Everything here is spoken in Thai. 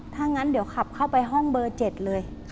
ถ้างั้นเดี๋ยวขับเข้าไปห้องเบอร์๗เลย